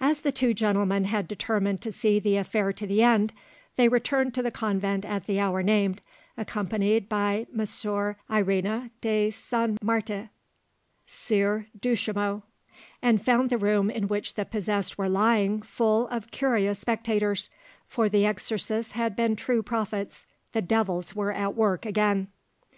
As the two gentlemen had determined to see the affair to the end, they returned to the convent at the hour named, accompanied by Messire Irenee de Sainte Marthe, sieur Deshurneaux; and found the room in which the possessed were lying full of curious spectators; for the exorcists had been true prophets—the devils were at work again.